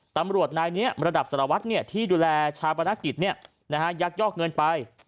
ตำรวจในระดับสรวจที่ดูแลชาวบนักกิจยักยอกเงินไป